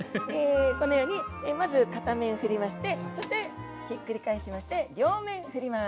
このようにまず片面ふりましてそしてひっくり返しまして両面ふります。